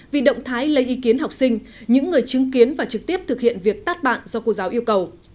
vì động thái lấy ý kiến học sinh những người chứng kiến và trực tiếp thực hiện việc tát bạn do cô giáo yêu cầu